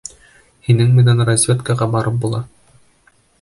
Һинең менән разведкаға барып була.